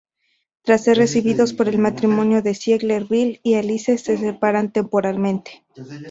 Tras ser recibidos por el matrimonio Ziegler, Bill y Alice se separan temporalmente.